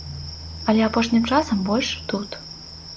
Але апошнім часам больш тут.